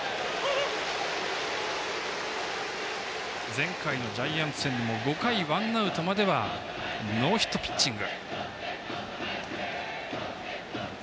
前回のジャイアンツ戦も５回ワンアウトまではノーヒットピッチング。